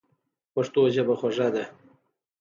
پښتو ژبه خوږه ده.